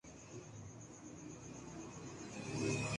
Twitter پر بچے خود آتے ہیں